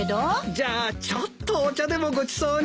じゃあちょっとお茶でもごちそうに。